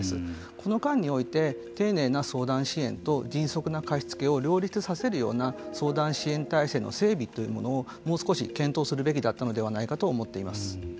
その間において丁寧な相談支援と迅速な貸付を両立させる相談支援体制の整備というものをもう少し検討するべきだったのではないかと思っています。